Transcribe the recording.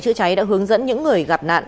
chữa cháy đã hướng dẫn những người gặp nạn